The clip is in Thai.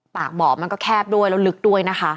เบาะมันก็แคบด้วยแล้วลึกด้วยนะคะ